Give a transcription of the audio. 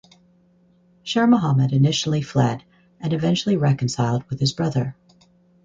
Sher Mohammad initially fled and eventually reconciled with his brother.